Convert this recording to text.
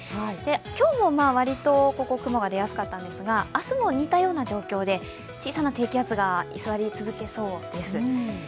今日も割とここ、雲が出やすかったんですが明日も似たような状況で小さな低気圧が居座り続けそうです。